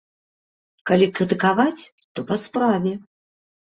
Калі крытыкаваць, то па справе.